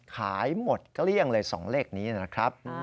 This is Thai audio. ขายหมดเกลี้ยงเลย๒เลขนี้นะครับ